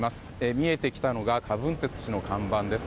見えてきたのがカ・ブンテツ氏の看板です。